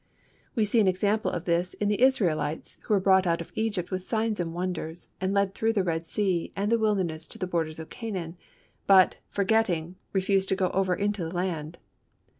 We see an example of this in the Israelites who were brought out of Egypt with signs and wonders, and led through the Red Sea and the wilderness to the borders of Canaan, but, forgetting, refused to go over into the land.